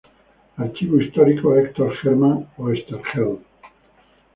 Archivo Histórico Hector Germán Oesterheld